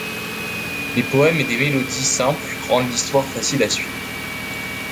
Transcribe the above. Des poèmes et des mélodies simples rendent l'histoire facile à suivre.